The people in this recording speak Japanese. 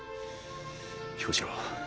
彦四郎。